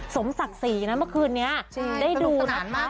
สมศักดิ์สีนะเมื่อคืนนี้ได้ดูนะคะสนุกสนานมาก